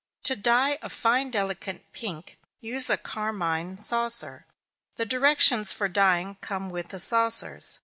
To dye a fine delicate pink, use a carmine saucer the directions for dyeing come with the saucers.